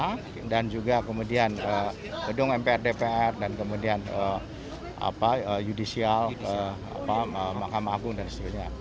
kemudian juga kemudian gedung mpr dpr dan kemudian judicial mahkamah agung dan sebagainya